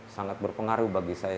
sangat berpengaruh bagi saya